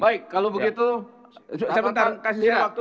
baik kalau begitu saya bentar kasih waktu dulu